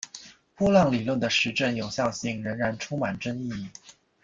波浪理论的实证有效性仍然充满争议。